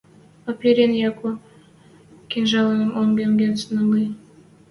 Опирин Яко кинжалжым онгем гӹц нӓльы.